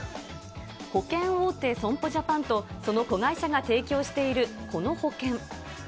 保険大手、損保ジャパンと、その子会社が提供しているこの保険。